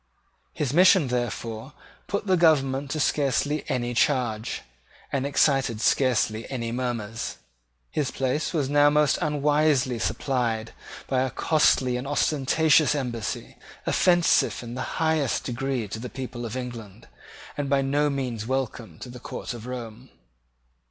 His mission, therefore, put the government to scarcely any charge, and excited scarcely any murmurs. His place was now most unwisely supplied by a costly and ostentatious embassy, offensive in the highest degree to the people of England, and by no means welcome to the court of Rome.